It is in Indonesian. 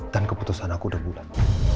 dan keputusan aku udah bulat